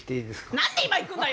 何で今行くんだよ！